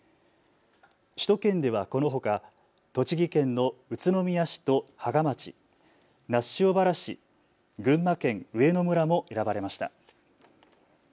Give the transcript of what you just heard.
首都圏ではこのほか栃木県の宇都宮市と芳賀町、那須塩原市、群馬県上野村も選ばれました。